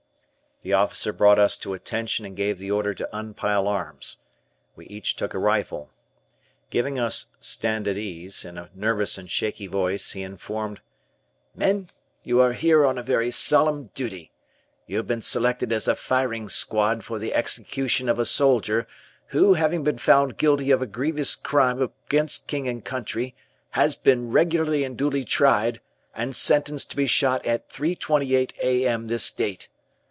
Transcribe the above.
The officer brought us to attention and gave the order to unpile arms. We each took a rifle. Giving us "Stand at ease," in a nervous and shaky voice, he informed: "Men, you are here on a very solemn duty. You have been selected as a firing squad for the execution of a soldier, who, having been found guilty of a grievous crime against King and Country, has been regularly and duly tried and sentenced to be shot at 3.28 A.M. this date.